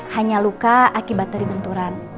hanya luka akibat teribenturan